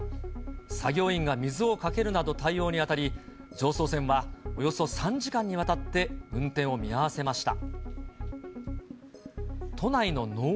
作業員が水をかけるなど対応に当たり、常総線はおよそ３時間にわたって運転を見合わせました。